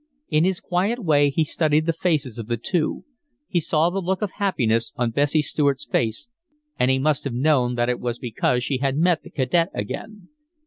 In his quiet way he studied the faces of the two; he saw the look of happiness on Bessie Stuart's face, and he must have known that it was because she had met the cadet again.